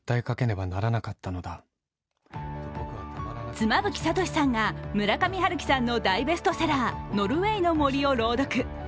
妻夫木聡さんが村上春樹さんの大ベストセラー「ノルウェイの森」をどうどく。